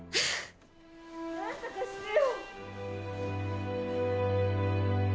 なんとかしてよ。